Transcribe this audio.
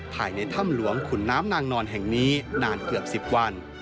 ภายในถ้ำหลวงขุนน้ำนางนอนแห่งนี้นานเกือบ๑๐วัน